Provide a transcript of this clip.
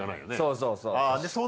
そうそうそう。